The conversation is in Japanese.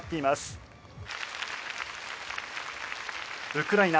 ウクライナ